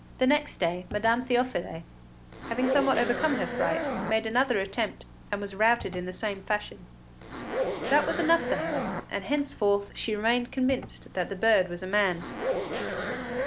The next day, Madame Théophile, having somewhat overcome her fright, made another attempt, and was routed in the same fashion. That was enough for her, and henceforth she remained convinced that the bird was a man.